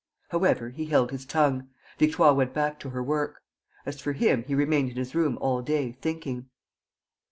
However, he held his tongue. Victoire went back to her work. As for him, he remained in his room all day, thinking.